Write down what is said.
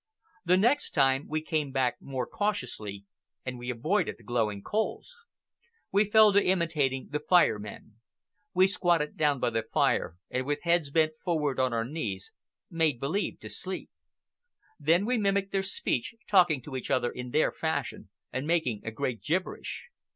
The next time we came back more cautiously, and we avoided the glowing coals. We fell to imitating the Fire Men. We squatted down by the fire, and with heads bent forward on our knees, made believe to sleep. Then we mimicked their speech, talking to each other in their fashion and making a great gibberish.